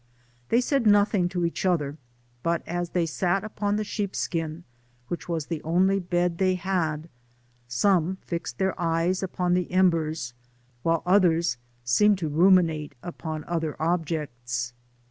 They said nothing to each other ; but as they sat upon the sheep skin, which was the only bed they had, some fixed their eyes upon the embers, while others seemed J» rumi nate upon other objects.